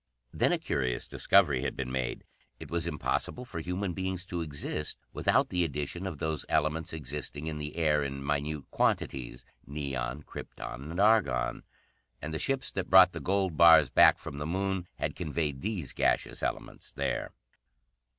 Then a curious discovery had been made. It was impossible for human beings to exist without the addition of those elements existing in the air in minute quantities neon, krypton, and argon. And the ships that brought the gold bars back from the Moon had conveyed these gaseous elements there.